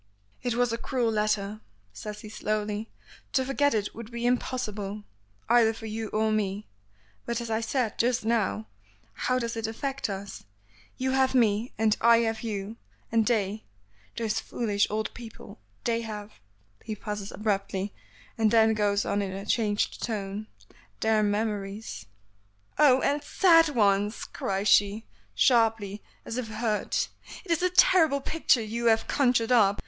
"It was a cruel letter," says he slowly; "to forget it would be impossible, either for you or me. But, as I said just now, how does it affect us? You have me, and I have you; and they, those foolish old people, they have " He pauses abruptly, and then goes on in a changed tone, "their memories." "Oh! and sad ones!" cries she, sharply, as if hurt. "It is a terrible picture you have conjured up.